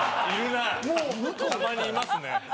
たまにいますね。